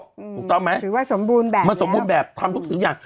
ถูกต้องไหมถือว่าสมบูรณ์แบบมันสมบูรณ์แบบทำทุกสิ่งอย่าง